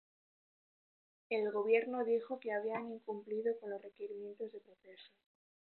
El gobierno dijo que habían incumplido con los requerimientos del proceso.